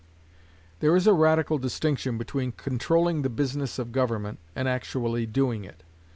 There is a radical distinction between controlling the business of government and actually doing it.